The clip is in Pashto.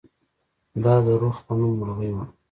دا د رخ په نوم مرغۍ وه.